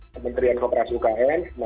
kementerian koperasi ukm